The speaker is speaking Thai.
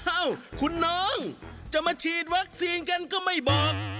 เอ้าคุณน้องจะมาฉีดวัคซีนกันก็ไม่บอก